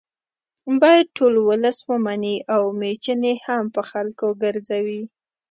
باید ټول ولس ومني که میچنې هم په خلکو ګرځوي